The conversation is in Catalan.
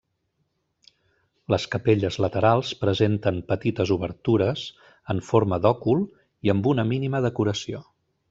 Les capelles laterals presenten petites obertures en forma d'òcul i amb una mínima decoració.